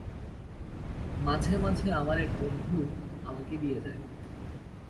মাঝে-মাঝে আমার এক বন্ধু আমাকে দিয়ে যায়।